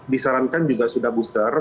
disarankan juga sudah booster